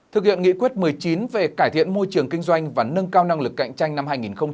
thực hiện nghị quyết một mươi chín về cải thiện môi trường kinh doanh và nâng cao năng lực cạnh tranh năm hai nghìn hai mươi